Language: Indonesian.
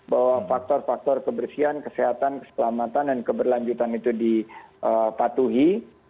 bahwa faktor faktor kebersihan kesehatan keselamatan dan keberlanjutan itu dipatuhi